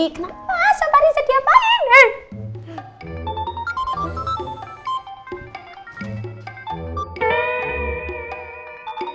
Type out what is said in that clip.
kenapa sabarin sediak paling